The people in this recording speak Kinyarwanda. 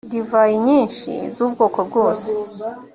divayi nyinshi z’ubwoko bwose.